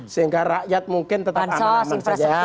sehingga rakyat mungkin tetap aman saja